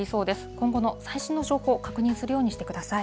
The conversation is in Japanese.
今後の最新の情報、確認するようにしてください。